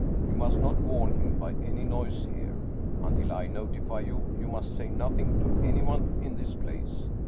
You must not warn him by any noise here. Until I notify you, you must say nothing to anyone in this place.